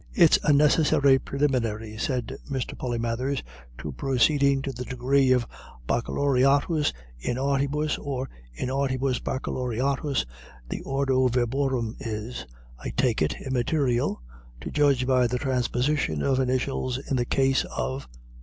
"It's a necessary preliminary," said Mr. Polymathers, "to proceeding to the Degree of Baccalaureatus in Artibus, or In Artibus Baccalaureatus the ordo verborum is, I take it, immaterial, to judge by the transposition of initials in the case of